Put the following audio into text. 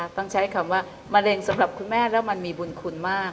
ต้องใช้คำว่ามะเร็งสำหรับคุณแม่แล้วมันมีบุญคุณมาก